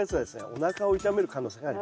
おなかを痛める可能性があります。